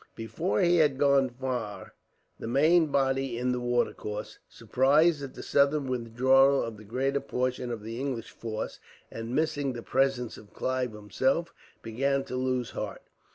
Before he had gone far the main body in the watercourse, surprised at the sudden withdrawal of the greater portion of the English force, and missing the presence of Clive himself, began to lose heart.